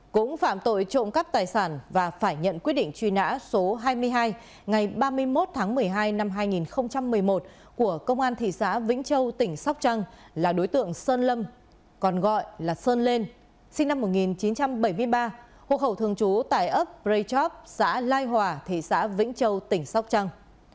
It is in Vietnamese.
còn về tội trộm cắt tài sản văn phòng cơ quan cảnh sát điều tra công an tỉnh sóc trăng đã ra quyết định truy nã số bốn ngày một mươi chín tháng năm năm hai nghìn một mươi chín hộ khẩu thương chú tại khóm hai phường một thị xã vĩnh châu tỉnh sóc trăng